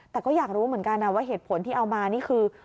แต่ก็อยากรู้เหมือนกันนะว่าเหตุผลที่เอามานี่คือ